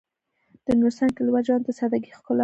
د نورستان کلیوال ژوند د سادهګۍ ښکلا ده.